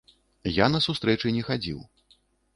Я на сустрэчы не хадзіў.